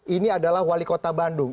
ini adalah wali kota bandung